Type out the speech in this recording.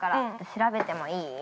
調べてもいい？